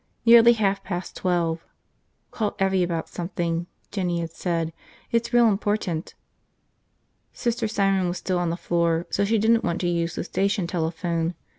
Nearly half past twelve. Call Evvie about something, Jinny had said, it's real important. Sister Simon was still on the floor so she didn't want to use the station telephone.